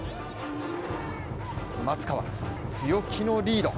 松川、強気のリード。